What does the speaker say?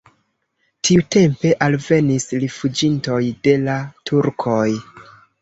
Tiutempe alvenis rifuĝintoj de la turkoj.